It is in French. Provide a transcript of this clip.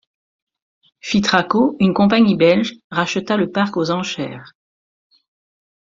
Fitraco, une compagnie belge, racheta le parc aux enchères.